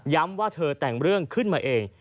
ว่าเธอแต่งเรื่องขึ้นมาเอง